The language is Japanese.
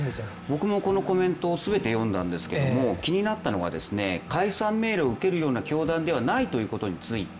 僕もこのコメント全て読んだんですけれども気になったのは、解散命令を受けるような教団ではないということについて